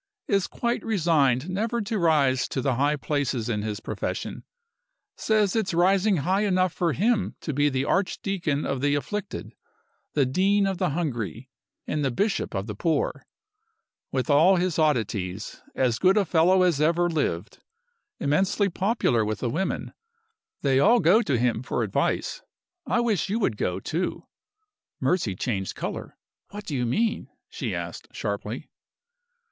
Is quite resigned never to rise to the high places in his profession. Says it's rising high enough for him to be the Archdeacon of the afflicted, the Dean of the hungry, and the Bishop of the poor. With all his oddities, as good a fellow as ever lived. Immensely popular with the women. They all go to him for advice. I wish you would go, too." Mercy changed color. "What do you mean?" she asked, sharply.